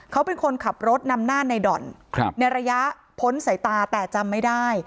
เขาเป็นคนขับรถนำหน้าในด่อนในระยะพ้นสายตาแต่จำไม่ได้